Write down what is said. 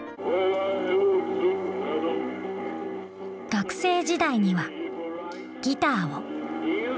学生時代にはギターを。